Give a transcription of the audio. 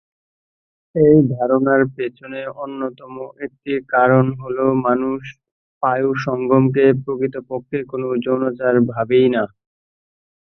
এই ধারণার পেছনে অন্যতম একটি কারণ হলো মানুষ পায়ুসঙ্গম কে প্রকৃতপক্ষে কোনো যৌনাচার ভাবেই না।